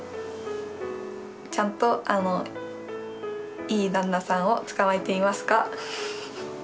ちゃんとあのいい旦那さんをつかまえていますか？